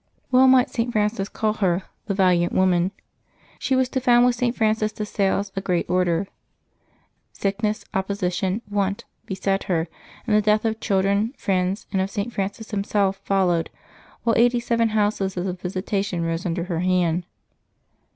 Well might St. Francis call her " the valiant woman." She was to found with St. Francis de Sales a great Order. Sickness, opposition, want, beset her, and the death of children, friends, and of St. Francis himself followed, while eighty seven houses of the Visita tion rose under her hand.